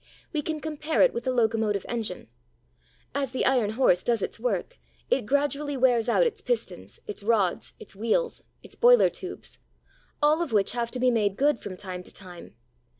We can compare it with the locomotive engine. As the iron horse does its work, it gradually wears out its pistons, its rods, its wheels, its boiler tubes, all of which have to be made good from time to time.